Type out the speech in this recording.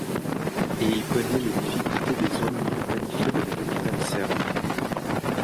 Et il connaît les difficultés des zones non planifiées de la capitale serbe.